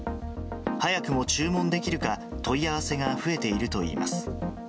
早くも注文できるか、問い合わせが増えているといいます。